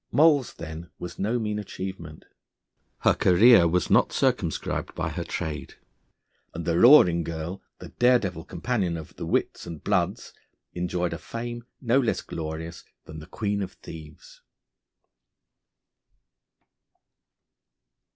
Moll's then was no mean achievement. Her career was not circumscribed by her trade, and the Roaring Girl, the daredevil companion of the wits and bloods, enjoyed a fame no less glorious than the Queen of Thieves.